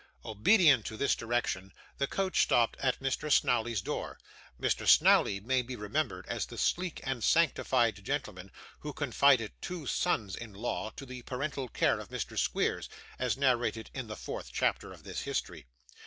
Obedient to this direction, the coach stopped at Mr. Snawley's door. Mr. Snawley may be remembered as the sleek and sanctified gentleman who confided two sons (in law) to the parental care of Mr. Squeers, as narrated in the fourth chapter of this history.